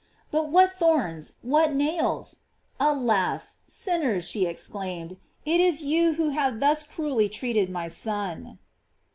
But what thorns, what nails? Alas! sinners, she exclaimed, it is you who have thus cruelly treated my Son.